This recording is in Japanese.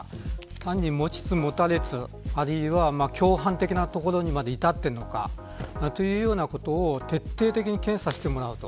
単に持ちつ持たれつ、あるいは共犯的なところにまで至っているのかというようなことを徹底的に検査してもらう。